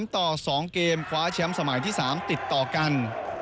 ต่อ๒เกมคว้าแชมป์สมัยที่๓ติดต่อกัน